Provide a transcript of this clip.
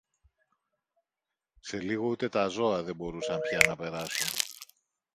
Σε λίγο ούτε τα ζώα δεν μπορούσαν πια να περάσουν.